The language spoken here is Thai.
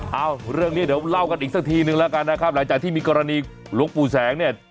เอาเรื่องนี้เดี๋ยวเล่ากันอีกสักทีนึงแล้วกันนะครับหลังจากที่มีกรณีหลวงปู่แสงเนี่ย